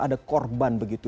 ada korban begitu